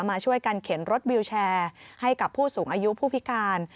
มาช่วยกันเข็นรถวิวแชร์ให้กับผู้สูงอายุผู้พิการ